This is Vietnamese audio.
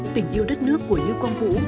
tình yêu đất nước của lưu quang vũ